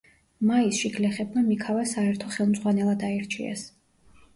მაისში გლეხებმა მიქავა საერთო ხელმძღვანელად აირჩიეს.